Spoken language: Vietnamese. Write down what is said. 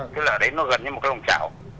tức là ở đấy nó gần như một cái lồng chảo